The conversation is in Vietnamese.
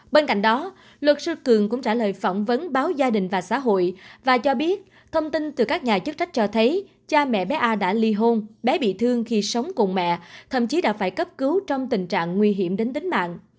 bên cạnh đó luật sư cường cũng trả lời phỏng vấn báo gia đình và xã hội và cho biết thông tin từ các nhà chức trách cho thấy cha mẹ bé a đã ly hôn bé bị thương khi sống cùng mẹ thậm chí đã phải cấp cứu trong tình trạng nguy hiểm đến tính mạng